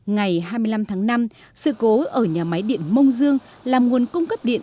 ngày hai mươi năm tháng năm sự cố ở nhà máy điện mông dương làm nguồn cung cấp điện